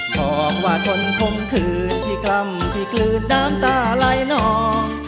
บอกว่าคนคมคืนที่กล้ำที่กลืนน้ำตาลายนอง